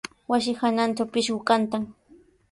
Wasi hanantraw pishqu kantan.